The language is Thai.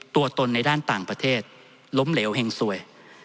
ตัวตนในด้านต่างประเทศล้มเหลวแห่งสวย